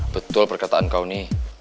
betul perkataan kau ini